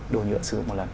đồ nhựa sử dụng một lần